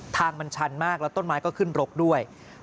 ทางมันชันมากแล้วต้นไม้ก็ขึ้นรกด้วย